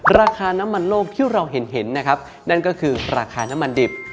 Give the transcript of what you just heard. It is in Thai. ราคาน้ำมันโลกที่เราเห็นนะครับนั่นก็คือราคาน้ำมันดิบ